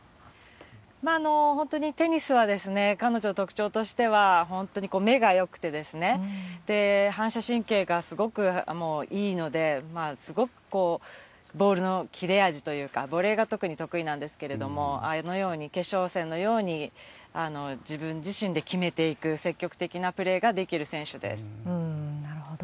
本当にテニスは、彼女、特徴としては、本当に目がよくて、反射神経がすごくいいので、すごくボールの切れ味というか、ボレーが特に得意なんですけれども、あのように、決勝戦のように自分自身で決めていく、なるほど。